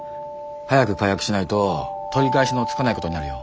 早く解約しないと取り返しのつかないことになるよ。